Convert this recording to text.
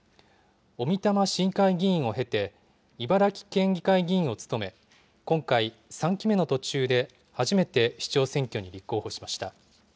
小美玉市議会議員を経て、茨城県議会議員を務め、今回、３期目の途中で初めて市長選挙に立候補しました。